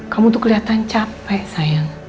kamu tuh keliatan capek sayang